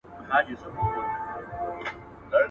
خر هغه خر دئ، خو توبره ئې نوې سوې ده.